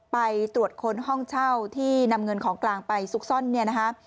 ไปตรวจค้นห้องเช่าที่นำเงินของกลางไปซุกซ่อนเนี่ยนะคะ